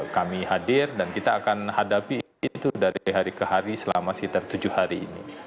kami hadir dan kita akan hadapi itu dari hari ke hari selama sekitar tujuh hari ini